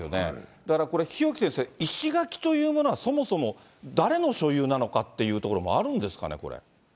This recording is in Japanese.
だからこれ、日置先生、石垣というものはそもそも誰の所有なのかっていうところもあるんですかね、これ。